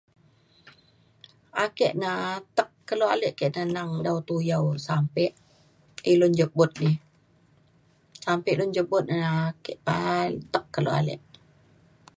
Ake na atek kelo alek ke teneng dau tuyau sape ilun jebut. Sape ilun jebut na ke atek kelo alek.